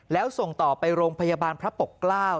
แล้วส่งต่อไปโรงพยาบาลพระปกเกล้า